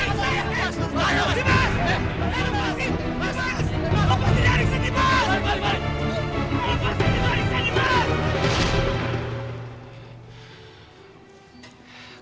lepas dari adik si dimas